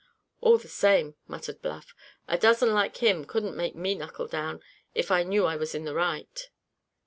"All the same," muttered Bluff, "a dozen like him couldn't make me knuckle down, if I knew I was in the right."